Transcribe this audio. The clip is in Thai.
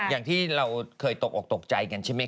อย่างที่เราเคยตกออกตกใจกันใช่ไหมค